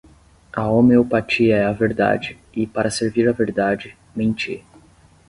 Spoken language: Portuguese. a homeopatia é a verdade, e, para servir à verdade, menti;